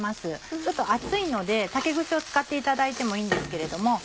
ちょっと熱いので竹串を使っていただいてもいいんですけれども。